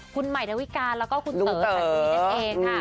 คุณใหม่ตายวิการแล้วก็คุณเต๋อคันนี้ได้เองค่ะ